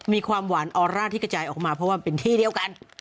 มีความหวานออร่าที่กระจายออกมาเพราะว่าเป็นที่เดียวกัน